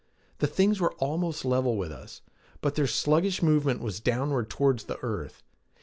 The things were almost level with us, but their sluggish movement was downward toward the earth.